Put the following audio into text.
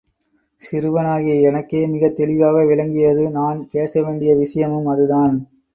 சிறுவனாகிய எனக்கே மிகத் தெளிவாக விளங்கியது நான் பேச வேண்டிய விஷயமும் அதுதான்.